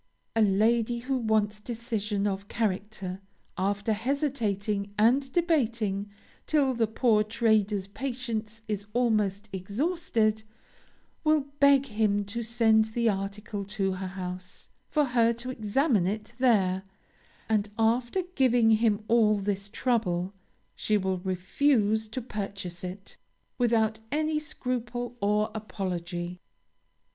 A lady who wants decision of character, after hesitating and debating, till the poor trader's patience is almost exhausted, will beg him to send the article to her house, for her to examine it there; and, after giving him all this trouble, she will refuse to purchase it, without any scruple or apology.